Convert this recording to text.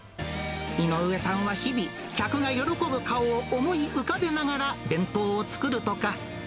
井上さんは日々、客が喜ぶ顔を思い浮かべながら弁当を作るとか。